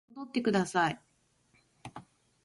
戻ってください